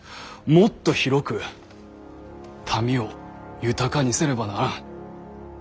もっと広く民を豊かにせねばならん。